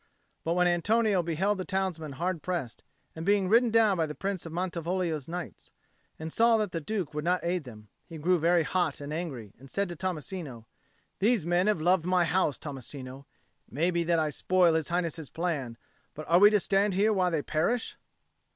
But when Antonio beheld the townsmen hard pressed and being ridden down by the Prince of Mantivoglia's knights and saw that the Duke would not aid them, he grew very hot and angry, and said to Tommasino, "These men have loved my house, Tommasino. It may be that I spoil His Highness's plan, but are we to stand here while they perish?"